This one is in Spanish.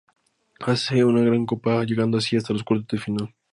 Hace una gran copa llegando así hasta los cuartos de final.